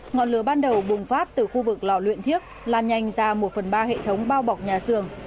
ngọn lửa ban đầu bùng phát từ khu vực lò luyện thiếc lan nhanh ra một phần ba hệ thống bao bọc nhà xưởng